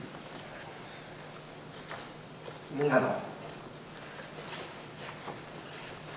みんなの。